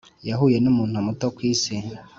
yahuye numuntu muto kwisi